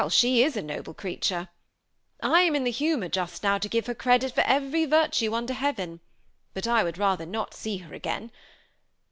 she is a noble cieatare; I am in the homor just DOW to give her credit lor erery virtoe under heaven ; bat I would rather not see her again.